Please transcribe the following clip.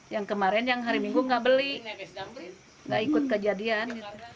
yang kemarin yang hari minggu nggak beli nggak ikut kejadian